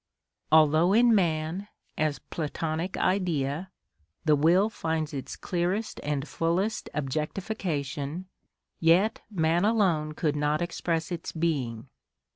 Although in man, as (Platonic) Idea, the will finds its clearest and fullest objectification, yet man alone could not express its being.